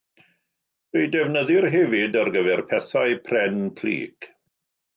Fe'i defnyddir hefyd ar gyfer pethau pren plyg.